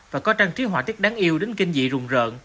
và có trang trí họa tiết đáng yêu đến kinh dị rùng rợn